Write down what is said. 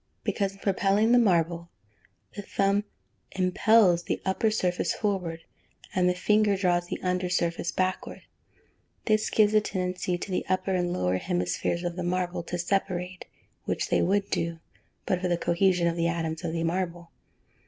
_ Because, in propelling the marble, the thumb impels the upper surface forward, and the finger draws the under surface backward. This gives a tendency to the upper and lower hemispheres of the marble to separate, which they would do, but for the cohesion of the atoms of the marble.